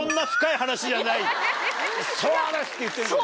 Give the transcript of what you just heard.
そうです！って言ってるけど。